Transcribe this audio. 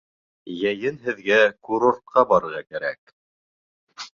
Йәйен һеҙгә курортҡа барырға кәрәк.